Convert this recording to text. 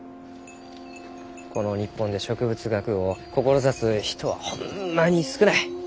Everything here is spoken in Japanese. この日本で植物学を志す人はホンマに少ない。